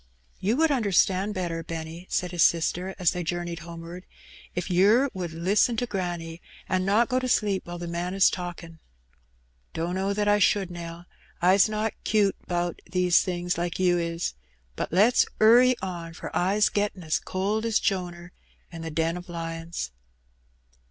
" Tou would understand better, Benny/' said his sister, as they journeyed homeward, "if yer would Usten to granny, an' not go to sleep whiles the man is talkin'." "Dunno that I should, Nell. I's not 'cute 'bout those things like you is; but let's 'urry on, for I's gettin' as cold as Jonar in the den o' lions."